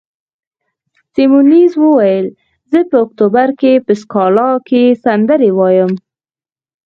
سیمونز وویل: زه په اکتوبر کې په سکالا کې سندرې وایم.